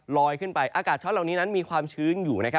ลอยขึ้นไปอากาศช้อนเหล่านี้นั้นมีความชื้นอยู่